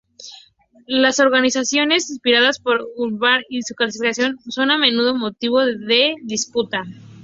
Las organizaciones inspiradas por Hubbard y su clasificación son a menudo motivo de disputa.